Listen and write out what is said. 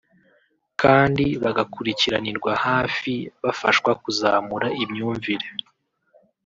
kandi bagakurikiranirwa hafi bafashwa kuzamura imyumvire